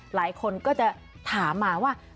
หลายคนก็จะถามมาว่า